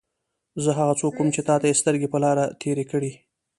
زه هغه څوک وم چې تا ته یې سترګې په لار تېرې کړې.